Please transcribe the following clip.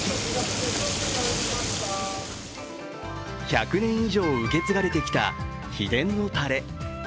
１００年以上受け継がれてきた秘伝のタレ。